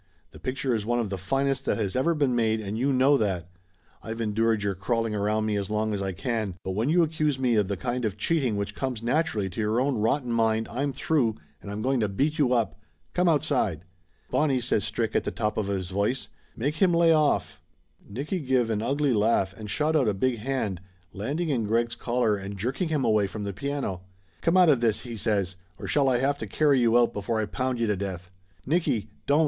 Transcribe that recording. The picture is one of the finest that has ever been made and you know that! I've endured your crawling around me as long as I can, but when you accuse me of the kind of cheating which comes naturally to your own rotten mind I'm through and I'm going to beat you up ! Come outside !" "Bonnie!" says Strick at the top of his voice. "Make him lay off!" 256 Laughter Limited Nicky give an ugly laugh and shot out a big hand, landing in Greg's collar and jerking him away from the piano. "Come out of this!" he says. "Or shall I have to carry you out before I pound you to death ?" "Nicky! Don't!"